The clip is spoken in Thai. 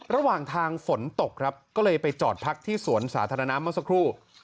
ระหว่างทางฝนตกครับก็เลยไปจอดพักที่สวนสาธารณะเมื่อสักครู่